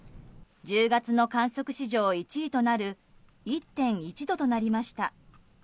１０月の観測史上１位となる１．１度となりました。